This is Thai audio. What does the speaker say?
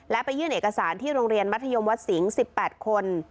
และไปยื่นเอกสารที่โรงเรียนมัธยมวัดสิงศ์๑๘คน